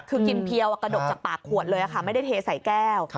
คือกินเพียวกระดกจากปากขวดเลยค่ะไม่ได้เทใส่แก้ว